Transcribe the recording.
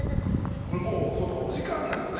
これもうそうかお時間なんですね。